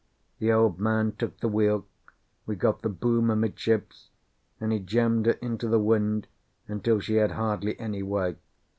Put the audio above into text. The Old Man took the wheel; we got the boom amidships, and he jammed her into the wind until she had hardly any way.